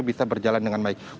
bisa berjalan dengan maksimal